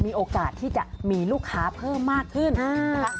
มีโอกาสที่จะมีลูกค้าเพิ่มมากขึ้นนะคะ